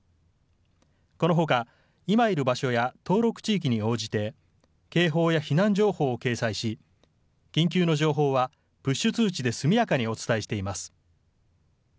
このほか、今いる場所や登録地域に応じて、警報や避難情報を掲載し、緊急の情報は、プッシュ通知で速やかにお伝えしています。